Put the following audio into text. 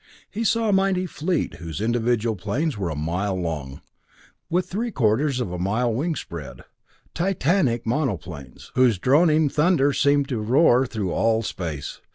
He saw a mighty fleet whose individual planes were a mile long, with three quarters of a mile wingspread titanic monoplanes, whose droning thunder seemed to roar through all space.